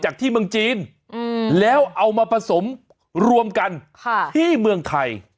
ที่เมืองจีนแล้วเอามาผสมรวมกันที่เมืองไทย